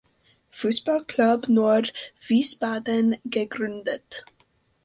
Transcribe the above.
Fußballclub Nord Wiesbaden" gegründet.